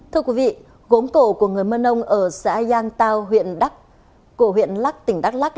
thưa quý vị gốm cổ của người mân âu ở xã giang tàu huyện đắc cổ huyện lắc tỉnh đắc lắc